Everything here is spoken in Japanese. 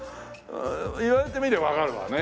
言われてみればわかるわね。